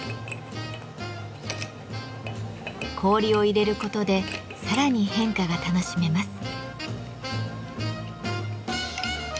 氷を入れることでさらに変化が楽しめます。